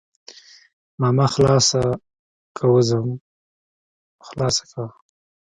ماما خلاصه که وځم خلاصه که.